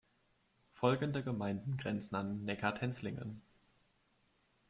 Folgende Gemeinden grenzen an Neckartenzlingen.